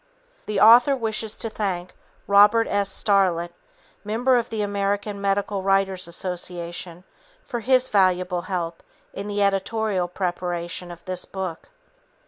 The author wishes to thank Robert S. Starrett, member of the American Medical Writers' Association, for his valuable help in the editorial preparation of this book.